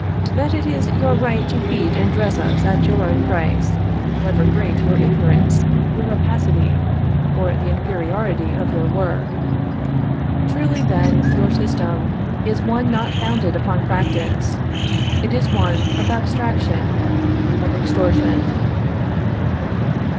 that it is your right to feed and dress us at your own price, however great your ignorance, your rapacity, or the inferiority of your work. Truly, then, your system is one not founded upon practice; it is one of abstraction of extortion.